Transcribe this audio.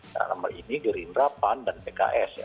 nah nomor ini gerindra pan dan pks ya